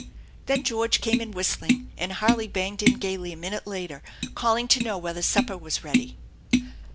Then George came in whistling, and Harley banged in gayly a minute later, calling to know whether supper waa ready.